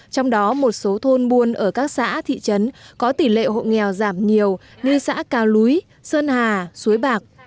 trong đó một số thôn buôn ở các xã thị trấn có tỷ lệ hộ nghèo giảm nhiều như xã cao núi sơn hà suối bạc